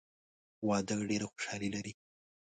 واده ډېره خوشحالي لري.